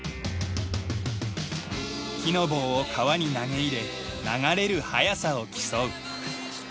木の棒を川に投げ入れ流れる速さを競う。